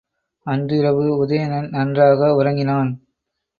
அன்றிரவு உதயணன் நன்றாக உறங்கினான்.